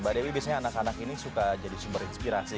mbak dewi biasanya anak anak ini suka jadi sumber inspirasi